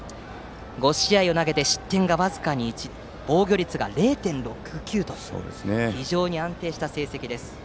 ５試合を投げて、失点は僅かに１防御率が０．６９と非常に安定した成績です。